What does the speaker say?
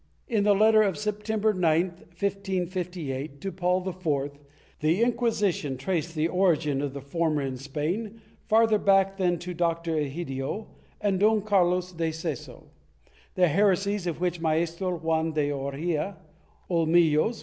In the letter of September 9, 1558, to Paul IV, the Inqui sition traced the origin of the former in Spain farther back than to Doctor Egidio and Don Carlos de Seso; the heresies of which Maestro Juan de Oria (Olmillos?)